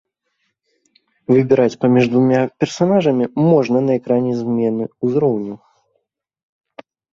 Выбіраць паміж двума персанажамі можна на экране змены ўзроўню.